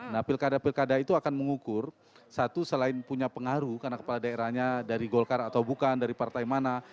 nah pilkada pilkada itu akan mengukur satu selain punya pengaruh karena kepala daerahnya dari golkar atau bukan dari partai mana